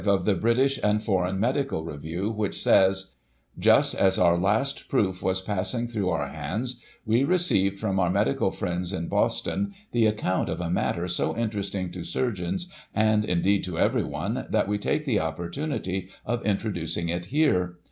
of the British and Foreign Medical Review, which says: "Just as our last proof was passing through our hands, we received from our medical friends in Boston, the account of a matter so interesting to surgeons, and, indeed to everyone, that we take the opportunity of in troducing it here.